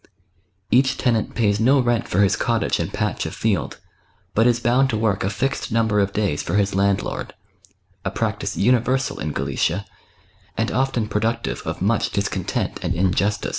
Each tenant pays no rent for his cottage and patch of field, but is bound to work a fixed number of days for his landlord: a practice universal in Galicia, and often productive of much discontent and injustice.